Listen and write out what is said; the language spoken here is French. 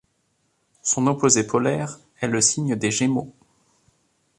Son opposé polaire est le signe des gémeaux.